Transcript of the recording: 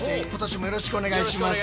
よろしくお願いします。